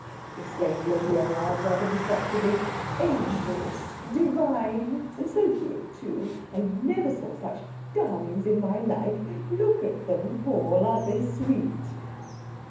exclaimed Lady Everard rather distractedly. 'Angels! Divine! And so good, too! I never saw such darlings in my life. Look at them, Paul. Aren't they sweet?'